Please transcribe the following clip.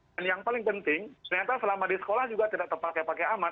dan yang paling penting ternyata selama di sekolah juga tidak terpakai pakai amat